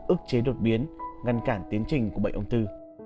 ức chế đột biến ngăn cản tiến trình của bệnh ông tư